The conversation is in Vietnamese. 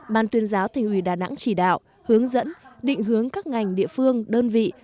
ban tuyên giáo thành ủy đà nẵng chỉ đạo hướng dẫn định hướng các ngành địa phương đơn vị